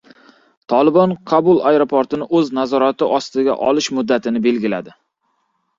“Tolibon” Kobul aeroportini o‘z nazorati ostiga olish muddatini belgiladi